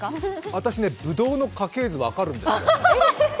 私ね、ブドウの家系図分かるんですよ。